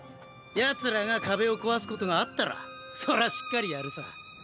ヤツらが壁を壊すことがあったらそらしっかりやるさ。